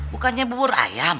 bukannya bubur ayam